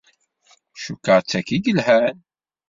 Cukkeɣ d takti yelhan.